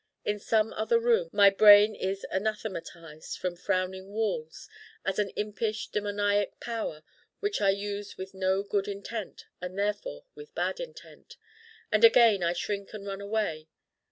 In some other Room my brain is anathematized from frowning walls as an impish demoniac power which I use with no good intent and therefore with bad intent: and again I shrink and run away.